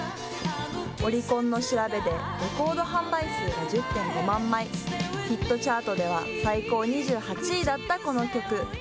オリコンの調べでレコード販売数が１０．５万枚、ヒットチャートでは最高２８位だったこの曲。